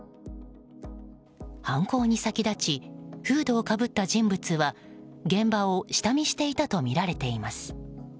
犯行に先立ちフードをかぶった人物は現場を下見していたとみられています。